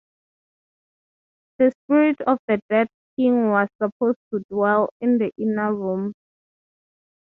The spirit of the dead king was supposed to dwell in the inner room.